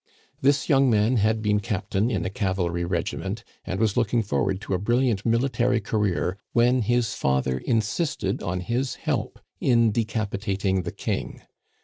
This young man had been captain in a cavalry regiment, and was looking forward to a brilliant military career, when his father insisted on his help in decapitating the king.